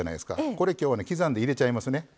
これきょうはね刻んで入れちゃいますね。